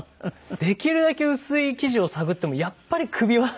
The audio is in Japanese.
できるだけ薄い生地を探ってもやっぱり首は。